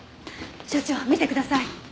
所長見てください！